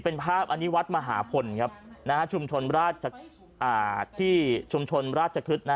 เป็นภาพอันนี้วัดมหาพลชุมชนราชชะครึด